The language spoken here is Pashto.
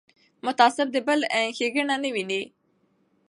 متعصب د بل ښېګڼه نه ویني